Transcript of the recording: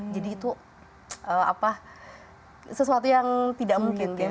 jadi itu sesuatu yang tidak mungkin